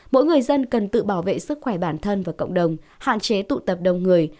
mỗi người dân cần tự bảo vệ sức khỏe bản thân và cộng đồng hạn chế tụ tập đông người